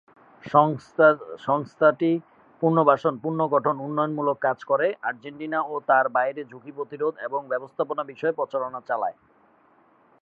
সংস্থাটি পুনর্বাসন, পুনর্গঠন এবং উন্নয়নমূলক কাজ করে এবং আর্জেন্টিনা ও এর বাইরে ঝুঁকি প্রতিরোধ এবং ব্যবস্থাপনা বিষয়ে প্রচারণা চালায়।